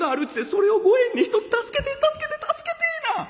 それをご縁にひとつ助けて助けて助けてえな」。